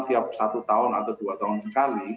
tiap satu tahun atau dua tahun sekali